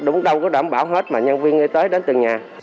đúng đâu có đảm bảo hết mà nhân viên y tế đến từng nhà